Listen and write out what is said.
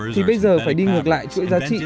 thì bây giờ phải đi ngược lại chuỗi giá trị